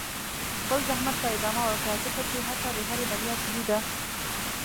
خپل زحمت ته ادامه ورکړه، ځکه چې هڅه د هرې بریا کلي ده.